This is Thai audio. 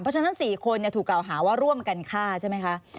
เพราะฉะนั้น๔คนถูกกล่าวหาว่าร่วมกันฆ่าใช่ไหมคะ